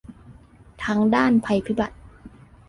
ทั้งด้านภัยพิบัติ